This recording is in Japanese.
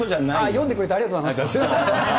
読んでくれてありがとうございます。